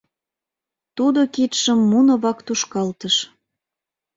Тудо кидшым муно вак тушкалтыш.